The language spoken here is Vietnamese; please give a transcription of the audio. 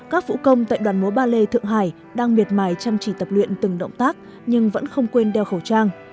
các vũ công tại đoàn mối ballet thượng hải đang miệt mài chăm chỉ tập luyện từng động tác nhưng vẫn không quên đeo khẩu trang